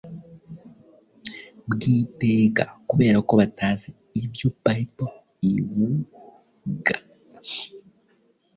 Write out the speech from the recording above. bw’iteka. Kubera ko batazi ibyo bible iuga.